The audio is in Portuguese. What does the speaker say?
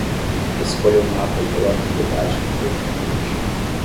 Escolha um mapa e coloque-o debaixo de um tapete.